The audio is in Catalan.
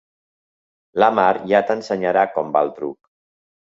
La Mar ja t'ensenyarà com va el truc.